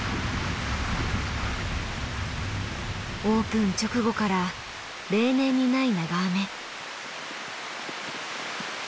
オープン直後から例年にない長雨。